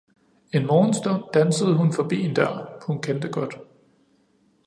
En morgenstund dansede hun forbi en dør, hun kendte godt